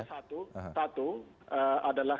jadi satu adalah